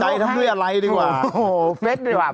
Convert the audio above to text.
ใจทำด้วยอะไรดีกว่า